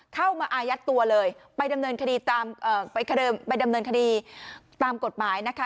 เข้ามาอายัดตัวเลยไปดำเนินคดีตามกฎหมายนะคะ